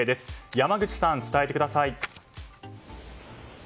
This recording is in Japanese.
山口さん、伝えてください。